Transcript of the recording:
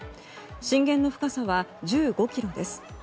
震源の深さは１５ｋｍです。